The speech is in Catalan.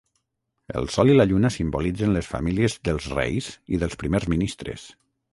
El sol i la lluna simbolitzen les famílies dels reis i dels primers ministres.